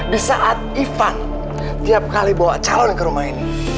di saat ivan tiap kali bawa calon ke rumah ini